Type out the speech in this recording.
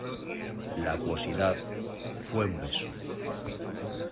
la acuosidad... fue un beso ...